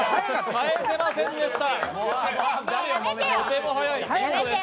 返せませんでした。